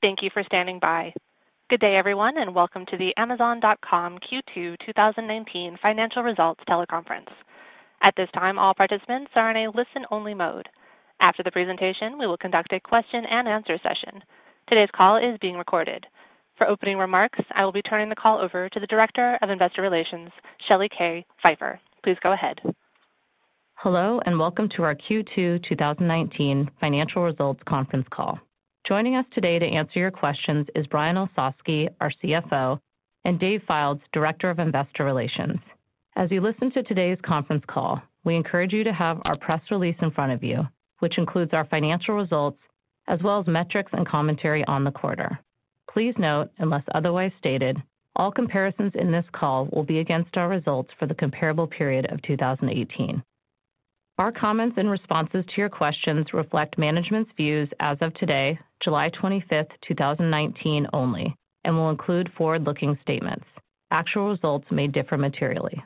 Thank you for standing by. Good day, everyone, and welcome to the Amazon.com Q2 2019 financial results teleconference. At this time, all participants are in a listen-only mode. After the presentation, we will conduct a question and answer session. Today's call is being recorded. For opening remarks, I will be turning the call over to the Director of Investor Relations, Shelly Kay Pfeiffer. Please go ahead. Hello, welcome to our Q2 2019 financial results conference call. Joining us today to answer your questions is Brian Olsavsky, our CFO, and Dave Fildes, Director of Investor Relations. As you listen to today's conference call, we encourage you to have our press release in front of you, which includes our financial results, as well as metrics and commentary on the quarter. Please note, unless otherwise stated, all comparisons in this call will be against our results for the comparable period of 2018. Our comments and responses to your questions reflect management's views as of today, July 25th, 2019, only, and will include forward-looking statements. Actual results may differ materially.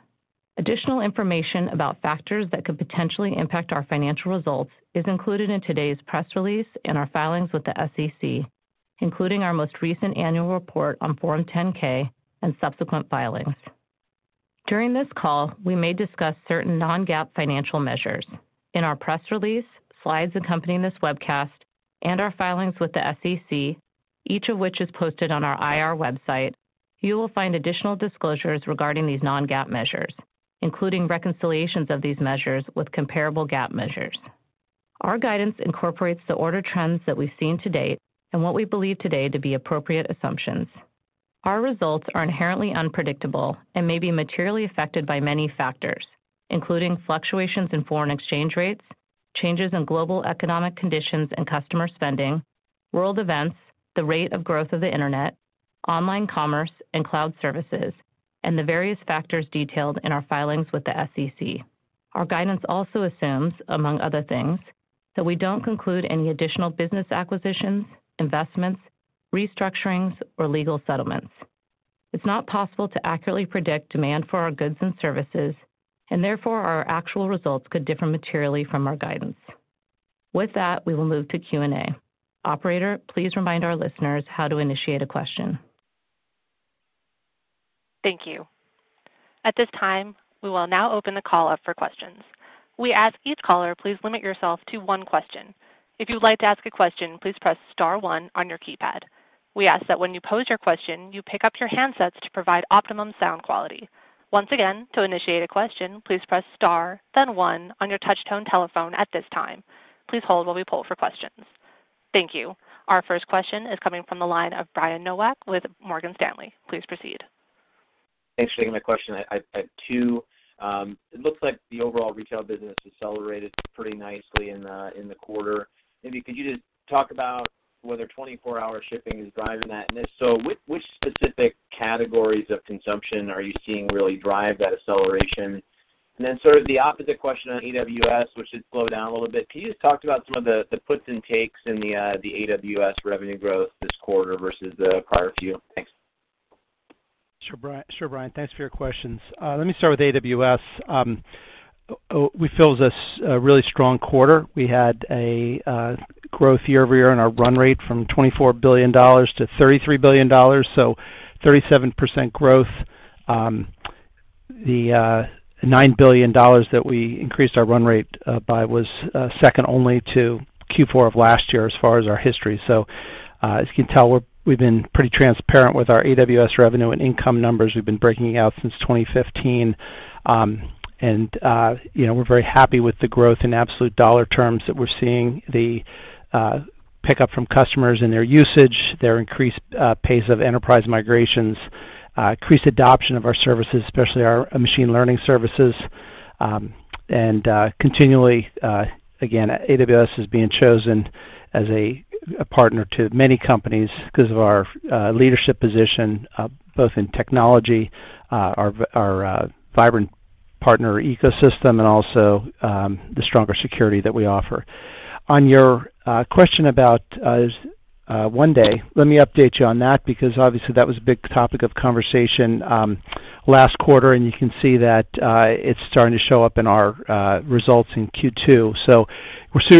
Additional information about factors that could potentially impact our financial results is included in today's press release and our filings with the SEC, including our most recent annual report on Form 10-K and subsequent filings. During this call, we may discuss certain non-GAAP financial measures. In our press release, slides accompanying this webcast, and our filings with the SEC, each of which is posted on our IR website, you will find additional disclosures regarding these non-GAAP measures, including reconciliations of these measures with comparable GAAP measures. Our guidance incorporates the order trends that we've seen to date and what we believe today to be appropriate assumptions. Our results are inherently unpredictable and may be materially affected by many factors, including fluctuations in foreign exchange rates, changes in global economic conditions and customer spending, world events, the rate of growth of the Internet, online commerce, and cloud services, and the various factors detailed in our filings with the SEC. Our guidance also assumes, among other things, that we don't conclude any additional business acquisitions, investments, restructurings, or legal settlements. It's not possible to accurately predict demand for our goods and services, and therefore, our actual results could differ materially from our guidance. With that, we will move to Q&A. Operator, please remind our listeners how to initiate a question. Thank you. At this time, we will now open the call up for questions. We ask each caller, please limit yourself to one question. If you'd like to ask a question, please press star one on your keypad. We ask that when you pose your question, you pick up your handsets to provide optimum sound quality. Once again, to initiate a question, please press star, then one on your touch-tone telephone at this time. Please hold while we poll for questions. Thank you. Our first question is coming from the line of Brian Nowak with Morgan Stanley. Please proceed. Thanks for taking my question. I have two. It looks like the overall retail business accelerated pretty nicely in the quarter. Maybe could you just talk about whether 24-hour shipping is driving that? If so, which specific categories of consumption are you seeing really drive that acceleration? Sort of the opposite question on AWS, which has slowed down a little bit. Can you just talk about some of the puts and takes in the AWS revenue growth this quarter versus the prior few? Thanks. Sure, Brian. Thanks for your questions. Let me start with AWS. We feel it was a really strong quarter. We had a growth year-over-year in our run rate from $24 billion to $33 billion, so 37% growth. The $9 billion that we increased our run rate by was second only to Q4 of last year as far as our history. As you can tell, we've been pretty transparent with our AWS revenue and income numbers we've been breaking out since 2015. We're very happy with the growth in absolute dollar terms that we're seeing, the pickup from customers and their usage, their increased pace of enterprise migrations, increased adoption of our services, especially our machine learning services. Continually, again, AWS is being chosen as a partner to many companies because of our leadership position, both in technology, our vibrant partner ecosystem, and also the stronger security that we offer. On your question about One Day, let me update you on that, because obviously that was a big topic of conversation last quarter, and you can see that it's starting to show up in our results in Q2.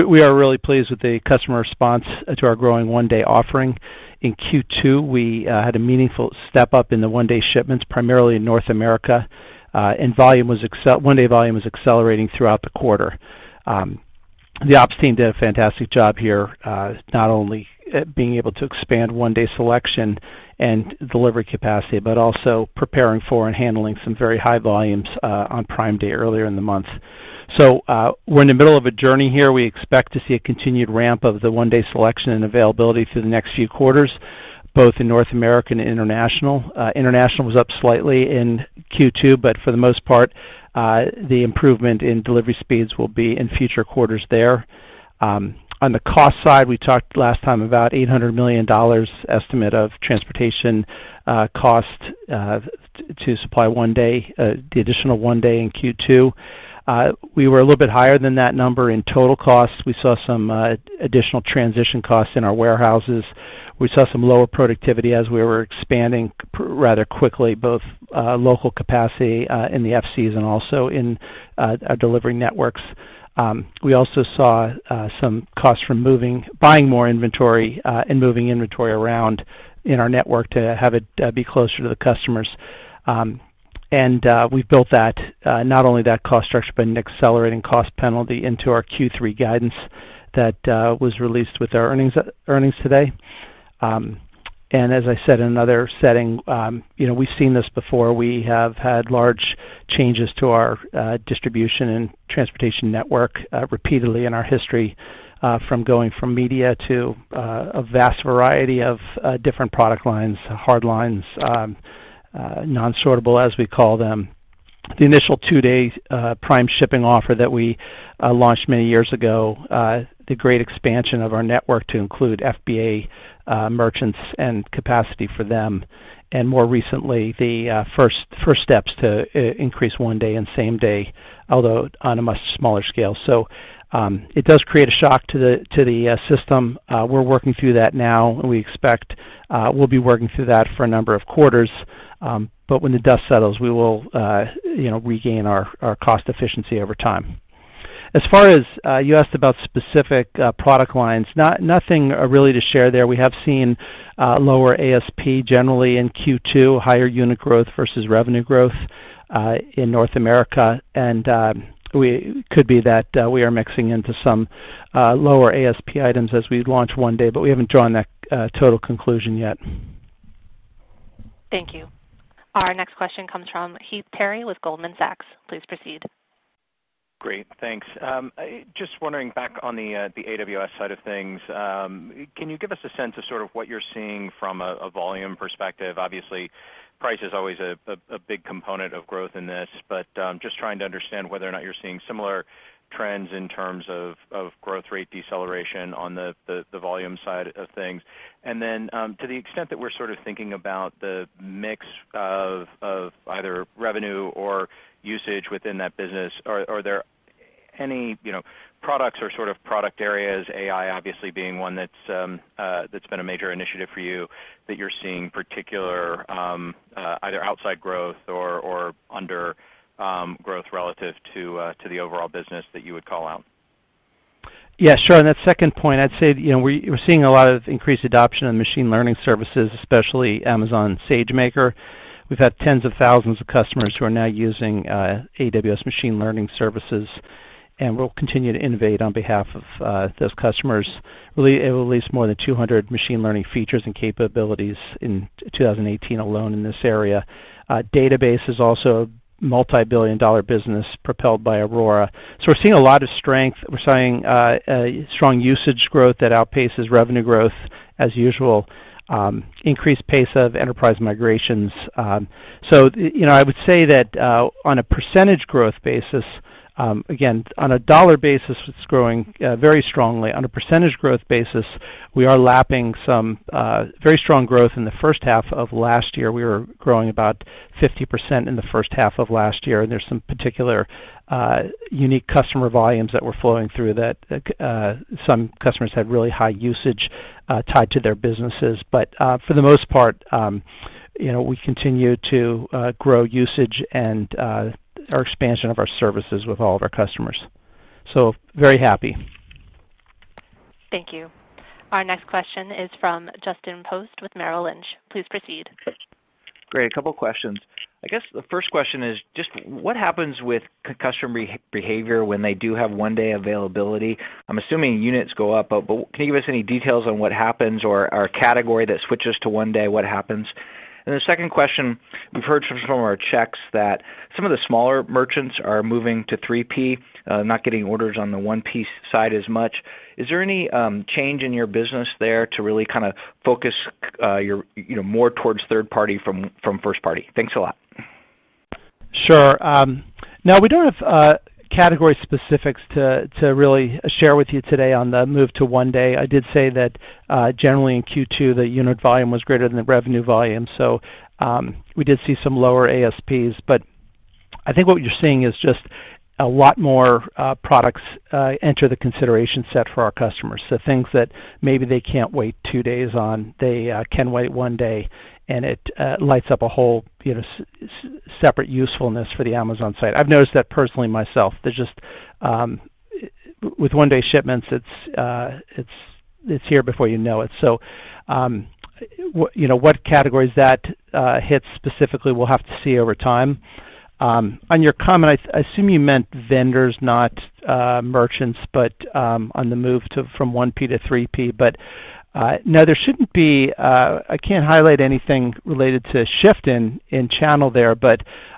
We are really pleased with the customer response to our growing One Day offering. In Q2, we had a meaningful step-up in the One Day shipments, primarily in North America, and One Day volume was accelerating throughout the quarter. The ops team did a fantastic job here, not only being able to expand One Day selection and delivery capacity, but also preparing for and handling some very high volumes on Prime Day earlier in the month. We're in the middle of a journey here. We expect to see a continued ramp of the One Day selection and availability through the next few quarters, both in North America and international. International was up slightly in Q2, for the most part, the improvement in delivery speeds will be in future quarters there. On the cost side, we talked last time about $800 million estimate of transportation cost to supply One Day, the additional One Day in Q2. We were a little bit higher than that number in total cost. We saw some additional transition costs in our warehouses. We saw some lower productivity as we were expanding rather quickly, both local capacity in the FC season, also in our delivery networks. We also saw some costs from buying more inventory, and moving inventory around in our network to have it be closer to the customers. We've built not only that cost structure, but an accelerating cost penalty into our Q3 guidance that was released with our earnings today. As I said, in another setting, we've seen this before. We have had large changes to our distribution and transportation network repeatedly in our history, from going from media to a vast variety of different product lines, hard lines, non-sortable, as we call them. The initial two-day Prime shipping offer that we launched many years ago, the great expansion of our network to include FBA merchants and capacity for them, and more recently, the first steps to increase One Day and same-day, although on a much smaller scale. It does create a shock to the system. We're working through that now. We expect we'll be working through that for a number of quarters. When the dust settles, we will regain our cost efficiency over time. As far as you asked about specific product lines, nothing really to share there. We have seen lower ASP generally in Q2, higher unit growth versus revenue growth in North America. It could be that we are mixing into some lower ASP items as we launch One Day, but we haven't drawn that total conclusion yet. Thank you. Our next question comes from Heath Terry with Goldman Sachs. Please proceed. Great. Thanks. Just wondering back on the AWS side of things, can you give us a sense of sort of what you're seeing from a volume perspective? Obviously, price is always a big component of growth in this, but just trying to understand whether or not you're seeing similar trends in terms of growth rate deceleration on the volume side of things. To the extent that we're sort of thinking about the mix of either revenue or usage within that business, are there any products or sort of product areas, AI obviously being one that's been a major initiative for you, that you're seeing particular either outside growth or under growth relative to the overall business that you would call out? Sure. On that second point, I'd say we're seeing a lot of increased adoption of machine learning services, especially Amazon SageMaker. We've had tens of thousands of customers who are now using AWS machine learning services, and we'll continue to innovate on behalf of those customers. We'll release more than 200 machine learning features and capabilities in 2018 alone in this area. Database is also a multi-billion dollar business propelled by Aurora. We're seeing a lot of strength. We're seeing strong usage growth that outpaces revenue growth as usual, increased pace of enterprise migrations. I would say that on a percentage growth basis, again, on a dollar basis, it's growing very strongly. On a percentage growth basis, we are lapping some very strong growth in the first half of last year. We were growing about 50% in the first half of last year, there's some particular unique customer volumes that were flowing through that some customers had really high usage tied to their businesses. For the most part, we continue to grow usage and our expansion of our services with all of our customers. Very happy. Thank you. Our next question is from Justin Post with Merrill Lynch. Please proceed. Great. A couple questions. I guess the first question is just what happens with customer behavior when they do have One Day availability? I'm assuming units go up, but can you give us any details on what happens or a category that switches to One Day, what happens? The second question, we've heard from some of our checks that some of the smaller merchants are moving to 3P, not getting orders on the 1P side as much. Is there any change in your business there to really kind of focus more towards third party from first party? Thanks a lot. No, we don't have category specifics to really share with you today on the move to One Day. I did say that generally in Q2, the unit volume was greater than the revenue volume. We did see some lower ASPs. I think what you're seeing is just a lot more products enter the consideration set for our customers. Things that maybe they can't wait two days on, they can wait One Day, and it lights up a whole separate usefulness for the Amazon site. I've noticed that personally myself. With One-Day shipments, it's here before you know it. What categories that hits specifically, we'll have to see over time. On your comment, I assume you meant vendors, not merchants, but on the move from 1P to 3P. No, I can't highlight anything related to shift in channel there.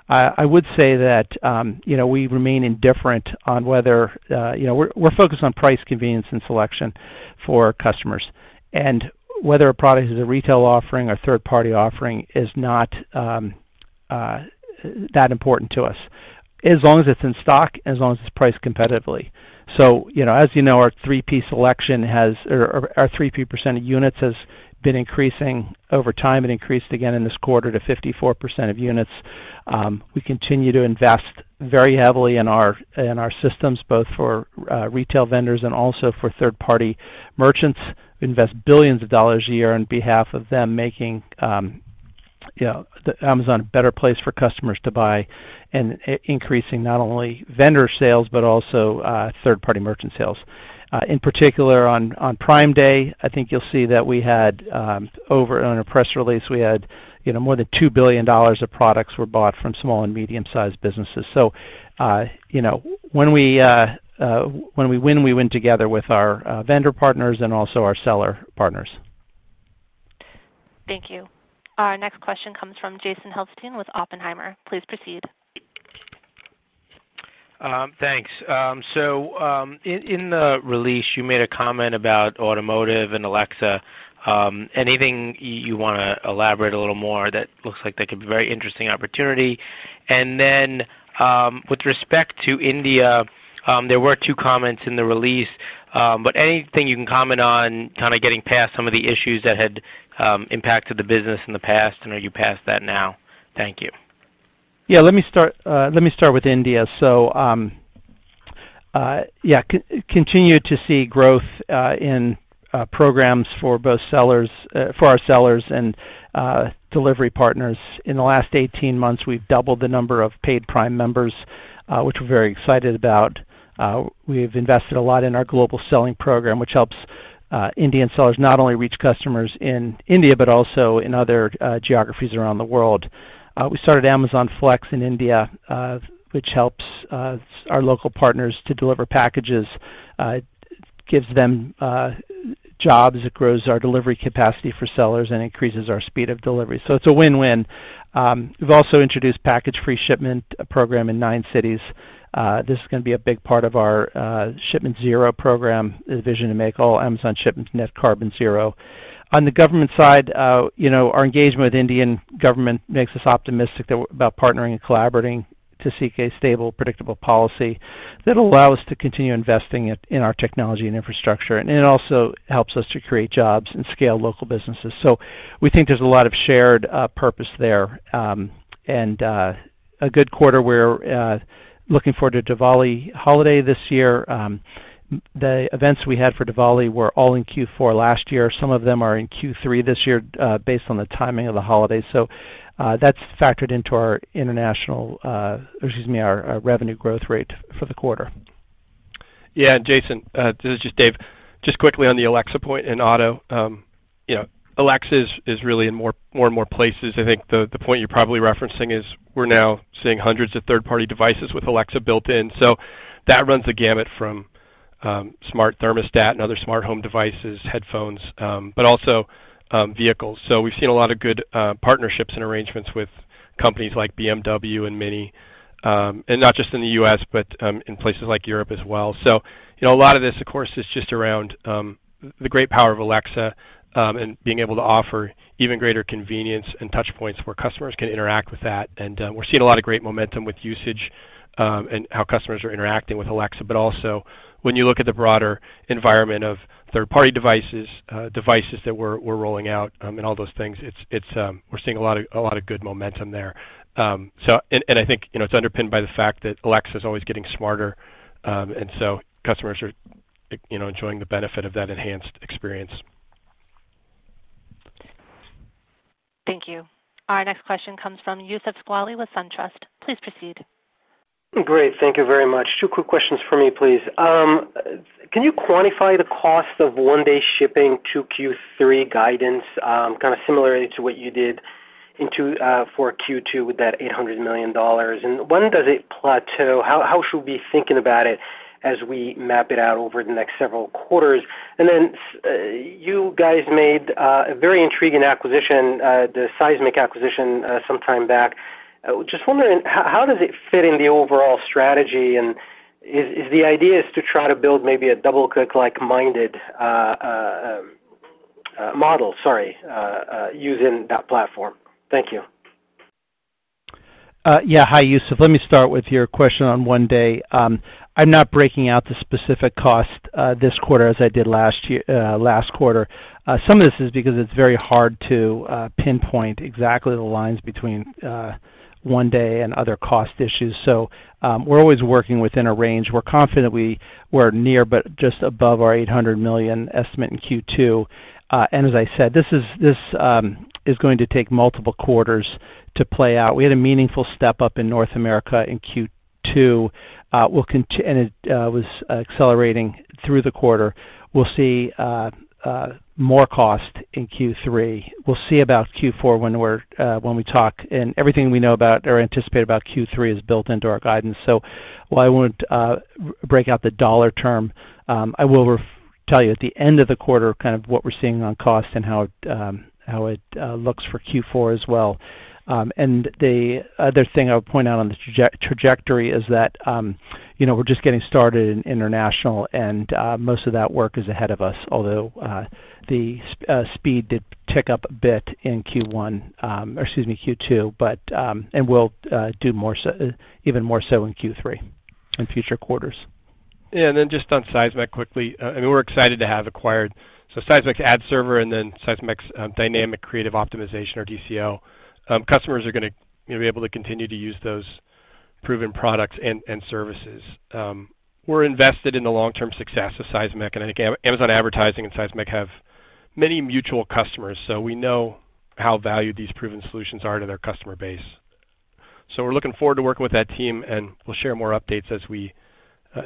I would say that we remain indifferent. We're focused on price, convenience, and selection for our customers. Whether a product is a retail offering or third-party offering is not that important to us, as long as it's in stock, as long as it's priced competitively. As you know, our 3P percent of units has been increasing over time. It increased again in this quarter to 54% of units. We continue to invest very heavily in our systems, both for retail vendors and also for third-party merchants. We invest billions of dollars a year on behalf of them making Amazon a better place for customers to buy, and increasing not only vendor sales, but also third-party merchant sales. In particular on Prime Day, I think you'll see that we had, on a press release, we had more than $2 billion of products were bought from small and medium-sized businesses. When we win, we win together with our vendor partners and also our seller partners. Thank you. Our next question comes from Jason Helfstein with Oppenheimer. Please proceed. Thanks. In the release, you made a comment about automotive and Alexa. Anything you want to elaborate a little more that looks like that could be a very interesting opportunity? With respect to India, there were two comments in the release. Anything you can comment on getting past some of the issues that had impacted the business in the past? I know you're past that now. Thank you. Yeah. Let me start with India. Continue to see growth in programs for our sellers and delivery partners. In the last 18 months, we've doubled the number of paid Prime members, which we're very excited about. We've invested a lot in our global selling program, which helps Indian sellers not only reach customers in India, but also in other geographies around the world. We started Amazon Flex in India, which helps our local partners to deliver packages. It gives them jobs, it grows our delivery capacity for sellers, and increases our speed of delivery. It's a win-win. We've also introduced package free shipment program in nine cities. This is going to be a big part of our Shipment Zero program, the vision to make all Amazon shipments net carbon zero. On the government side, our engagement with Indian government makes us optimistic about partnering and collaborating to seek a stable, predictable policy that'll allow us to continue investing in our technology and infrastructure. It also helps us to create jobs and scale local businesses. We think there's a lot of shared purpose there. A good quarter. We're looking forward to Diwali holiday this year. The events we had for Diwali were all in Q4 last year. Some of them are in Q3 this year, based on the timing of the holiday. That's factored into our revenue growth rate for the quarter. Yeah. Jason, this is just Dave. Just quickly on the Alexa point and auto, Alexa is really in more and more places. I think the point you're probably referencing is we're now seeing hundreds of third-party devices with Alexa built in. That runs the gamut from smart thermostat and other smart home devices, headphones, but also vehicles. We've seen a lot of good partnerships and arrangements with companies like BMW and MINI, and not just in the U.S., but in places like Europe as well. A lot of this, of course, is just around the great power of Alexa, and being able to offer even greater convenience and touch points where customers can interact with that. We're seeing a lot of great momentum with usage, and how customers are interacting with Alexa. Also when you look at the broader environment of third-party devices that we're rolling out, and all those things, we're seeing a lot of good momentum there. I think it's underpinned by the fact that Alexa's always getting smarter. Customers are enjoying the benefit of that enhanced experience. Thank you. Our next question comes from Youssef Squali with SunTrust. Please proceed. Great. Thank you very much. Two quick questions for me, please. Can you quantify the cost of One Day shipping to Q3 guidance, kind of similarly to what you did for Q2 with that $800 million? When does it plateau? How should we be thinking about it as we map it out over the next several quarters? You guys made a very intriguing acquisition, the Sizmek acquisition, some time back. Just wondering, how does it fit in the overall strategy, and is the idea to try to build maybe a double-click-like model using that platform? Thank you. Hi, Youssef. Let me start with your question on One Day. I'm not breaking out the specific cost this quarter as I did last quarter. Some of this is because it's very hard to pinpoint exactly the lines between One Day and other cost issues. We're always working within a range. We're confident we're near, but just above our $800 million estimate in Q2. As I said, this is going to take multiple quarters to play out. We had a meaningful step up in North America in Q2, and it was accelerating through the quarter. We'll see more cost in Q3. We'll see about Q4 when we talk, and everything we know about or anticipate about Q3 is built into our guidance. While I won't break out the dollar term, I will tell you at the end of the quarter, kind of what we're seeing on cost and how it looks for Q4 as well. The other thing I would point out on the trajectory is that we're just getting started in international, and most of that work is ahead of us, although the speed did tick up a bit in Q2, and we'll do even more so in Q3, in future quarters. Yeah. Just on Sizmek quickly, we're excited to have acquired, so Sizmek's ad server, and then Sizmek's dynamic creative optimization, or DCO. Customers are going to be able to continue to use those. Proven products and services. We're invested in the long-term success of Sizmek. Amazon Advertising and Sizmek have many mutual customers. We know how valued these proven solutions are to their customer base. We're looking forward to working with that team. We'll share more updates as we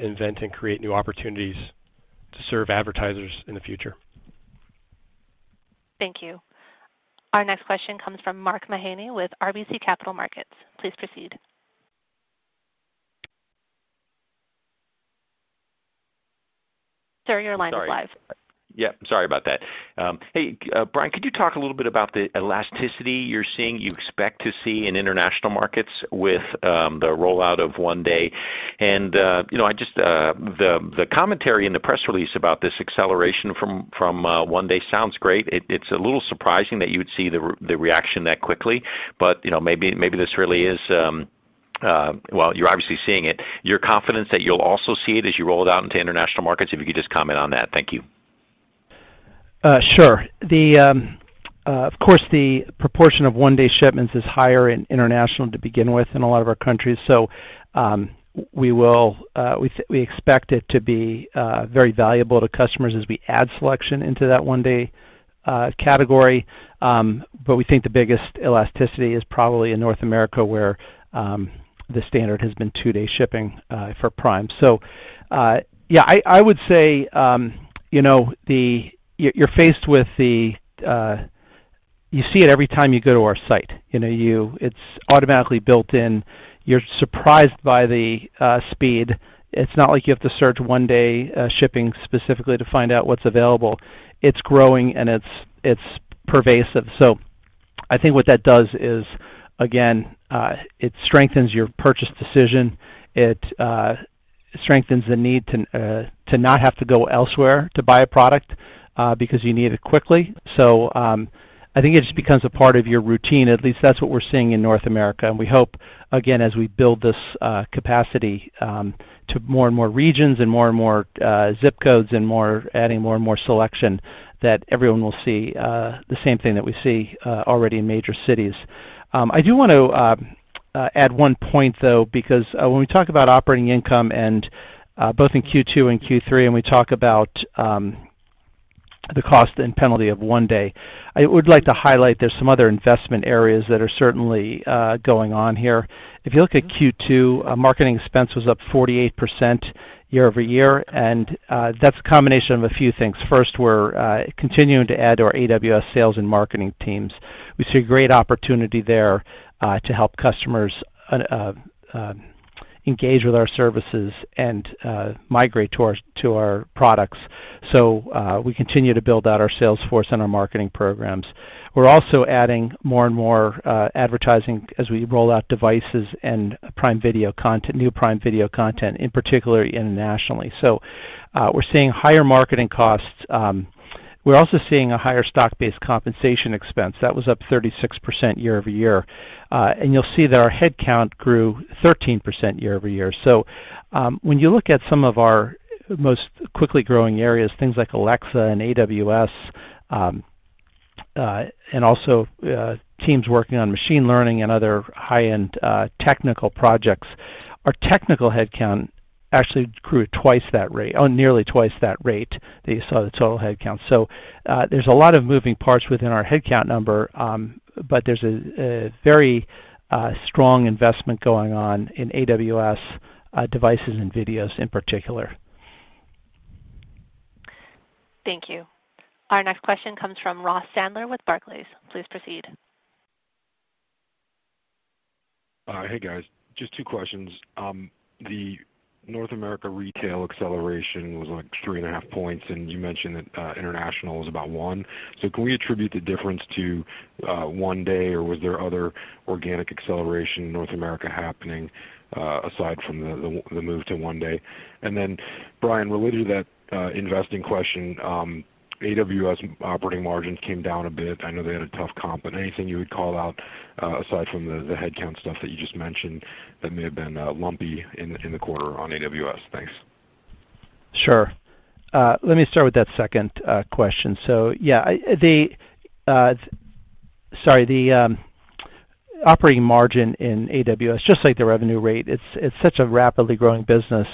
invent and create new opportunities to serve advertisers in the future. Thank you. Our next question comes from Mark Mahaney with RBC Capital Markets. Please proceed. Sir, your line is live. Sorry. Yep, sorry about that. Hey, Brian, could you talk a little bit about the elasticity you're seeing, you expect to see in international markets with the rollout of One Day? The commentary in the press release about this acceleration from One Day sounds great. It's a little surprising that you would see the reaction that quickly, but maybe this really is. Well, you're obviously seeing it. You're confident that you'll also see it as you roll it out into international markets, if you could just comment on that. Thank you. Sure. Of course, the proportion of One-Day shipments is higher in international to begin with in a lot of our countries. We expect it to be very valuable to customers as we add selection into that One-Day category. We think the biggest elasticity is probably in North America, where the standard has been Two-Day shipping for Prime. Yeah, I would say you see it every time you go to our site. It's automatically built in. You're surprised by the speed. It's not like you have to search One-Day shipping specifically to find out what's available. It's growing, and it's pervasive. I think what that does is, again, it strengthens your purchase decision. It strengthens the need to not have to go elsewhere to buy a product because you need it quickly. I think it just becomes a part of your routine. At least that's what we're seeing in North America. We hope, again, as we build this capacity to more and more regions and more and more zip codes and adding more and more selection, that everyone will see the same thing that we see already in major cities. I do want to add one point, though, because when we talk about operating income both in Q2 and Q3, and we talk about the cost and penalty of One Day, I would like to highlight there's some other investment areas that are certainly going on here. If you look at Q2, marketing expense was up 48% year-over-year, and that's a combination of a few things. First, we're continuing to add our AWS sales and marketing teams. We see great opportunity there to help customers engage with our services and migrate to our products. We continue to build out our sales force and our marketing programs. We're also adding more and more advertising as we roll out devices and new Prime Video content, in particular internationally. We're seeing higher marketing costs. We're also seeing a higher stock-based compensation expense. That was up 36% year-over-year. You'll see that our headcount grew 13% year-over-year. When you look at some of our most quickly growing areas, things like Alexa and AWS, and also teams working on machine learning and other high-end technical projects, our technical headcount actually grew at twice that rate, or nearly twice that rate that you saw the total headcount. There's a lot of moving parts within our headcount number, but there's a very strong investment going on in AWS devices and videos in particular. Thank you. Our next question comes from Ross Sandler with Barclays. Please proceed. Hey, guys. Just two questions. The North America retail acceleration was like 3.5 points, and you mentioned that international was about 1 point. Can we attribute the difference to One Day, or was there other organic acceleration in North America happening aside from the move to One Day? Brian, related to that investing question, AWS operating margins came down a bit. I know they had a tough comp, but anything you would call out aside from the headcount stuff that you just mentioned that may have been lumpy in the quarter on AWS? Thanks. Sure. Let me start with that second question. Yeah, the operating margin in AWS, just like the revenue rate, it's such a rapidly growing business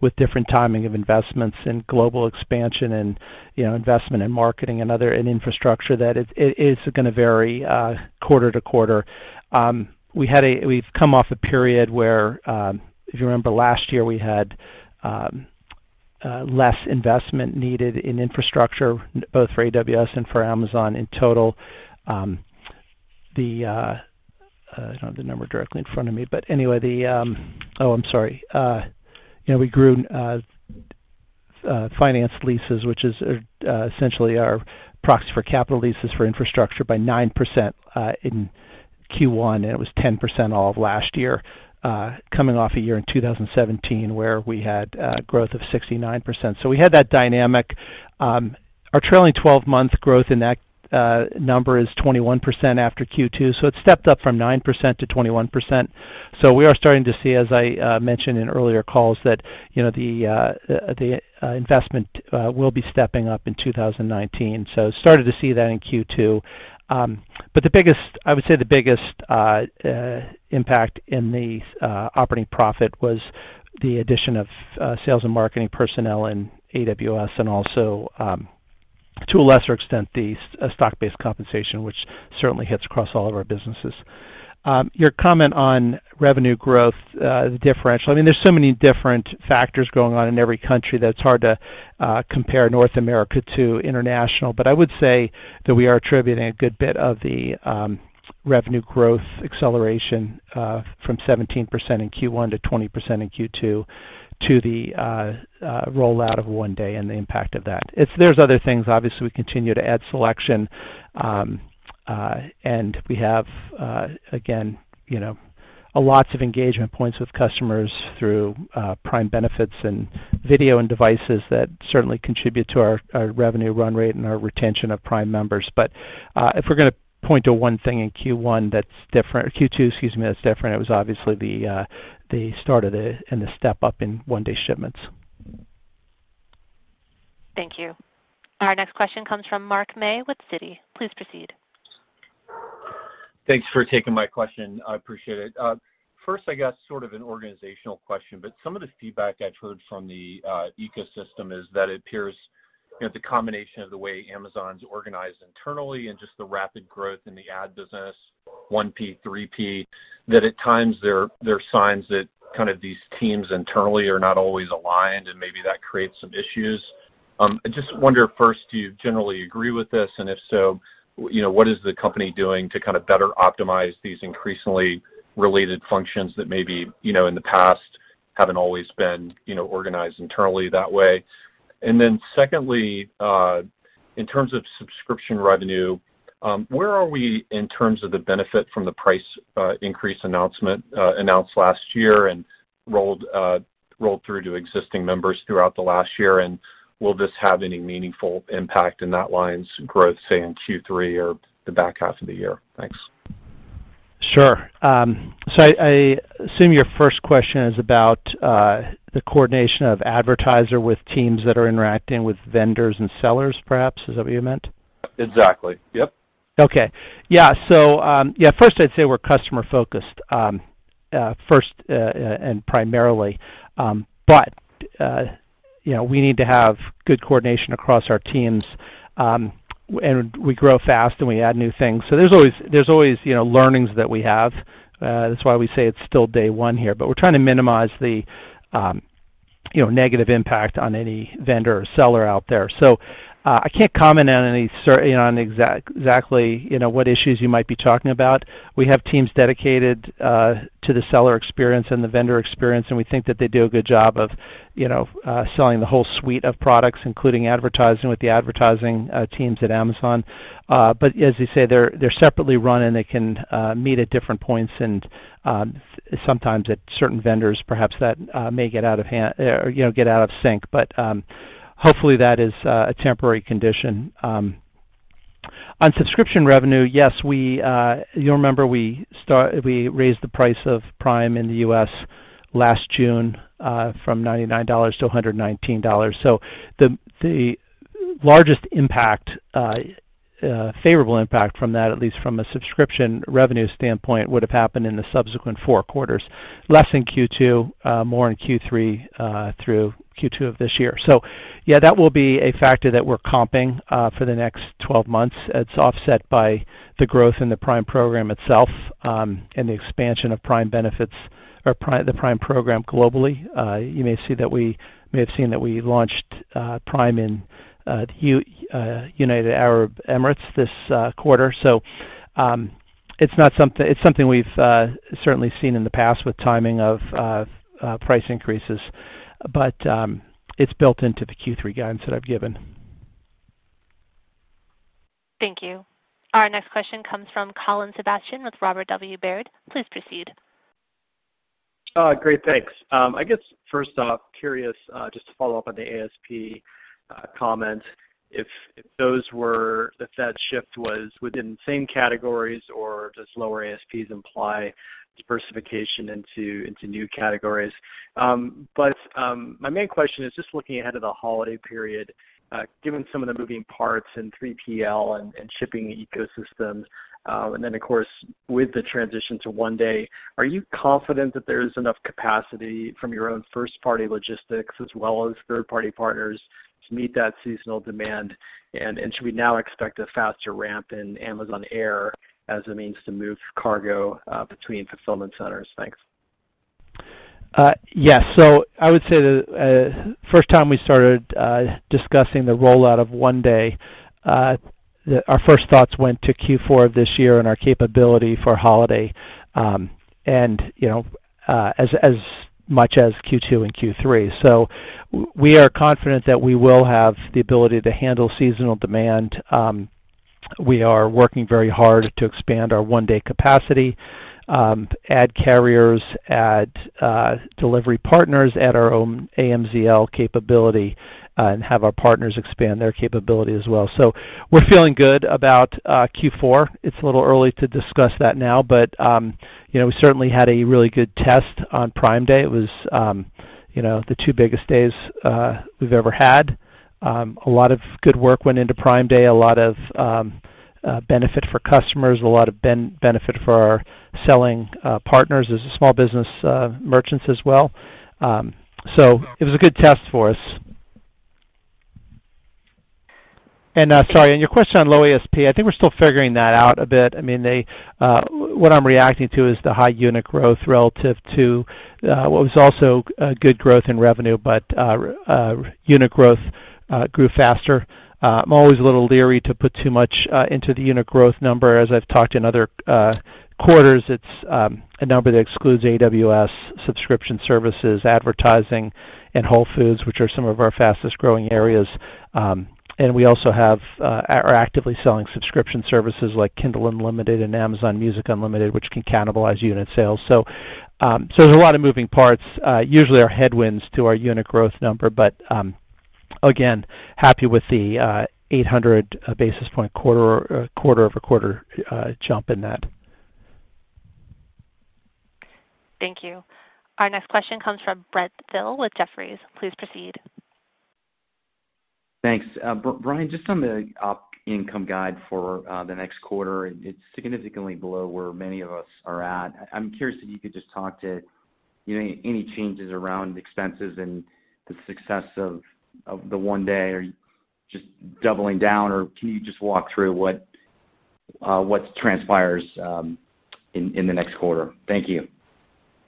with different timing of investments in global expansion, and investment in marketing and infrastructure that it's going to vary quarter to quarter. We've come off a period where, if you remember last year, we had less investment needed in infrastructure, both for AWS and for Amazon in total. I don't have the number directly in front of me, but anyway. Oh, I'm sorry. We grew finance leases, which is essentially our proxy for capital leases for infrastructure by 9% in Q1, and it was 10% all of last year, coming off a year in 2017 where we had growth of 69%. We had that dynamic. Our trailing 12-month growth in that number is 21% after Q2, so it stepped up from 9% to 21%. We are starting to see, as I mentioned in earlier calls, that the investment will be stepping up in 2019. Started to see that in Q2. I would say the biggest impact in the operating profit was the addition of sales and marketing personnel in AWS, and also, to a lesser extent, the stock-based compensation, which certainly hits across all of our businesses. Your comment on revenue growth differential, there is so many different factors going on in every country that it is hard to compare North America to international. I would say that we are attributing a good bit of the revenue growth acceleration from 17% in Q1 to 20% in Q2 to the rollout of One-Day and the impact of that. There is other things. Obviously, we continue to add selection, and we have, again, lots of engagement points with customers through Prime benefits, and video and devices that certainly contribute to our revenue run rate and our retention of Prime members. If we're going to point to one thing in Q1 that's different, Q2, excuse me, that's different, it was obviously the start of and the step-up in One-Day shipments. Thank you. Our next question comes from Mark May with Citi. Please proceed. Thanks for taking my question. I appreciate it. First, I got sort of an organizational question, but some of the feedback I've heard from the ecosystem is that it appears the combination of the way Amazon's organized internally and just the rapid growth in the ad business, 1P, 3P, that at times there are signs that kind of these teams internally are not always aligned, and maybe that creates some issues. I just wonder first, do you generally agree with this, and if so, what is the company doing to better optimize these increasingly related functions that maybe, in the past, haven't always been organized internally that way? Secondly, in terms of subscription revenue, where are we in terms of the benefit from the price increase announcement, announced last year and rolled through to existing members throughout the last year, and will this have any meaningful impact in that line's growth, say, in Q3 or the back half of the year? Thanks. Sure. I assume your first question is about the coordination of advertiser with teams that are interacting with vendors and sellers, perhaps. Is that what you meant? Exactly. Yep. Okay. Yeah. First I'd say we're customer-focused, first and primarily. We need to have good coordination across our teams, and we grow fast, and we add new things. There's always learnings that we have. That's why we say it's still Day One here. We're trying to minimize the negative impact on any vendor or seller out there. I can't comment on exactly what issues you might be talking about. We have teams dedicated to the seller experience and the vendor experience, and we think that they do a good job of selling the whole suite of products, including advertising with the Amazon Advertising teams at Amazon. As you say, they're separately run, and they can meet at different points, and sometimes at certain vendors, perhaps that may get out of sync. Hopefully, that is a temporary condition. On subscription revenue, yes, you'll remember we raised the price of Prime in the U.S. last June from $99 to $119. The largest impact, favorable impact from that, at least from a subscription revenue standpoint, would have happened in the subsequent four quarters, less in Q2, more in Q3 through Q2 of this year. Yeah, that will be a factor that we're comping for the next 12 months. It's offset by the growth in the Prime program itself, and the expansion of Prime benefits or the Prime program globally. You may have seen that we launched Prime in United Arab Emirates this quarter. It's something we've certainly seen in the past with timing of price increases. It's built into the Q3 guidance that I've given. Thank you. Our next question comes from Colin Sebastian with Robert W. Baird. Please proceed. Great. Thanks. I guess, first off, curious, just to follow up on the ASP comment, if that shift was within the same categories, or does lower ASPs imply diversification into new categories? My main question is just looking ahead to the holiday period, given some of the moving parts in 3PL and shipping ecosystems, and then, of course, with the transition to One Day, are you confident that there's enough capacity from your own first-party logistics as well as third-party partners to meet that seasonal demand? Should we now expect a faster ramp in Amazon Air as a means to move cargo between fulfillment centers? Thanks. Yeah. I would say the first time we started discussing the rollout of One Day, our first thoughts went to Q4 of this year and our capability for holiday, and as much as Q2 and Q3. We are confident that we will have the ability to handle seasonal demand. We are working very hard to expand our One Day capacity, add carriers, add delivery partners, add our own AMZL capability, and have our partners expand their capability as well. We're feeling good about Q4. It's a little early to discuss that now, but we certainly had a really good test on Prime Day. It was the two biggest days we've ever had. A lot of good work went into Prime Day, a lot of benefit for customers, a lot of benefit for our selling partners as small business merchants as well. It was a good test for us. Sorry, on your question on low ASP, I think we're still figuring that out a bit. What I'm reacting to is the high unit growth relative to what was also a good growth in revenue, but unit growth grew faster. I'm always a little leery to put too much into the unit growth number, as I've talked in other quarters. It's a number that excludes AWS, subscription services, advertising, and Whole Foods, which are some of our fastest-growing areas. We also are actively selling subscription services like Kindle Unlimited and Amazon Music Unlimited, which can cannibalize unit sales. There's a lot of moving parts. Usually our headwinds to our unit growth number, but again, happy with the 800 basis point quarter-over-quarter jump in that. Thank you. Our next question comes from Brent Thill with Jefferies. Please proceed. Thanks. Brian, just on the op income guide for the next quarter, it's significantly below where many of us are at. I'm curious if you could just talk to any changes around expenses and the success of the One Day. Are you just doubling down, or can you just walk through what transpires in the next quarter? Thank you.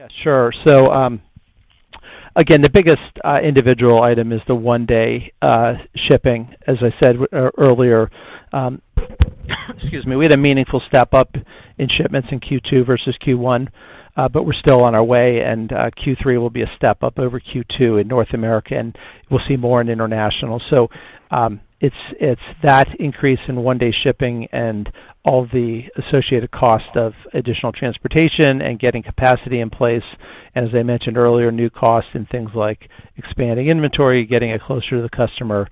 Yeah, sure. Again, the biggest individual item is the One Day shipping. As I said earlier, we had a meaningful step-up in shipments in Q2 versus Q1, but we're still on our way, and Q3 will be a step-up over Q2 in North America, and we'll see more in international. It's that increase in One Day shipping and all the associated cost of additional transportation and getting capacity in place. As I mentioned earlier, new costs and things like expanding inventory, getting it closer to the customer.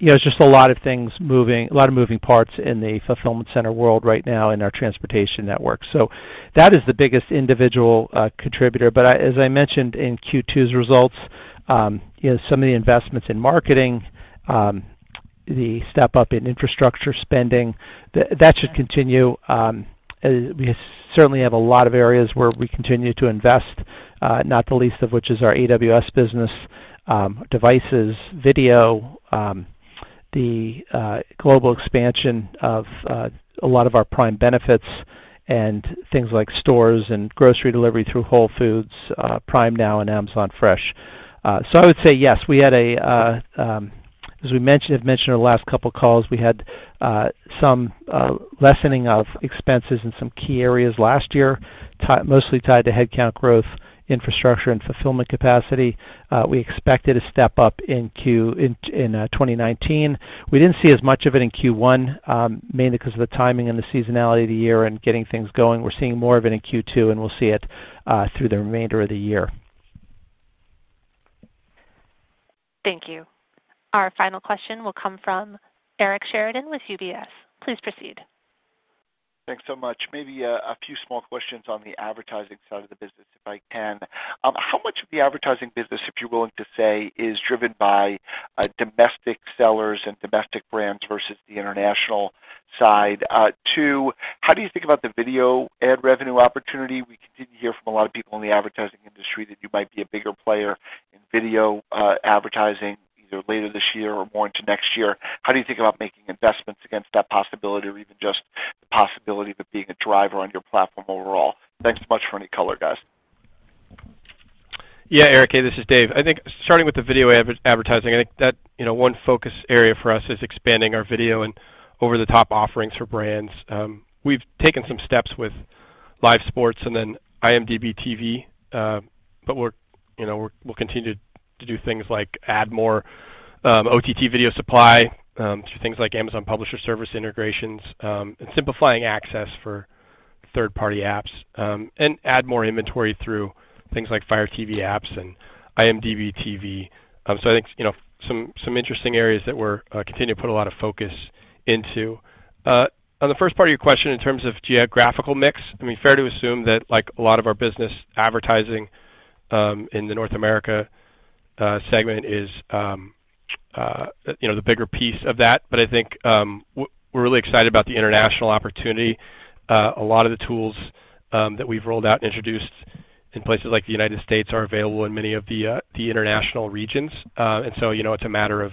It's just a lot of moving parts in the fulfillment center world right now in our transportation network. That is the biggest individual contributor, but as I mentioned in Q2's results, some of the investments in marketing, the step-up in infrastructure spending, that should continue. We certainly have a lot of areas where we continue to invest, not the least of which is our AWS business, devices, video, the global expansion of a lot of our Prime benefits, and things like stores and grocery delivery through Whole Foods, Prime Now, and Amazon Fresh. I would say yes. As we mentioned in the last couple of calls, we had some lessening of expenses in some key areas last year, mostly tied to headcount growth, infrastructure, and fulfillment capacity. We expected a step-up in 2019. We didn't see as much of it in Q1, mainly because of the timing and the seasonality of the year and getting things going. We're seeing more of it in Q2, and we'll see it through the remainder of the year. Thank you. Our final question will come from Eric Sheridan with UBS. Please proceed. Thanks so much. Maybe a few small questions on the advertising side of the business, if I can. How much of the advertising business, if you're willing to say, is driven by domestic sellers and domestic brands versus the international side? Two, how do you think about the video ad revenue opportunity? We continue to hear from a lot of people in the advertising industry that you might be a bigger player in video advertising either later this year or more into next year. How do you think about making investments against that possibility, or even just the possibility of it being a driver on your platform overall? Thanks so much for any color, guys. Yeah, Eric, hey, this is Dave. I think starting with the video advertising, I think that one focus area for us is expanding our video and over-the-top offerings for brands. We've taken some steps with live sports and then IMDb TV. We'll continue to do things like add more OTT video supply through things like Amazon Publisher Services integrations, and simplifying access for third-party apps, and add more inventory through things like Fire TV apps and IMDb TV. I think some interesting areas that we're continuing to put a lot of focus into. On the first part of your question in terms of geographical mix, fair to assume that like a lot of our business advertising in the North America segment is the bigger piece of that. I think we're really excited about the international opportunity. A lot of the tools that we've rolled out and introduced in places like the United States are available in many of the international regions. It's a matter of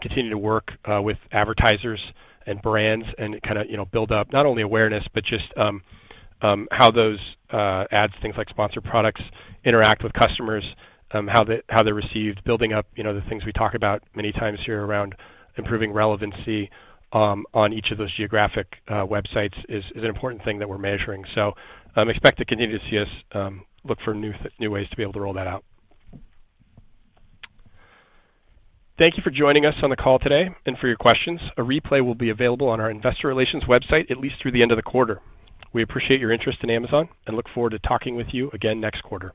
continuing to work with advertisers and brands, and kind of build up not only awareness, but just how those ads, things like Sponsored Products, interact with customers, how they're received. Building up the things we talk about many times here around improving relevancy on each of those geographic websites is an important thing that we're measuring. Expect to continue to see us look for new ways to be able to roll that out. Thank you for joining us on the call today and for your questions. A replay will be available on our investor relations website, at least through the end of the quarter. We appreciate your interest in Amazon and look forward to talking with you again next quarter.